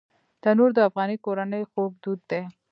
تنور د افغاني کورنۍ خوږ دود دی